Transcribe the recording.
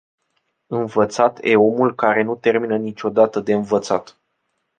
Învățat e omul care nu termină niciodată de învățat.